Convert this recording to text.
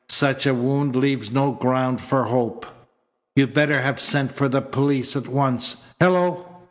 Such a wound leaves no ground for hope. You'd better have sent for the police at once. Hello!"